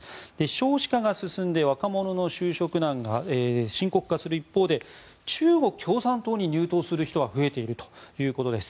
少子化が進んで若者の就職難が深刻化する一方で中国共産党に入党する人は増えているということです。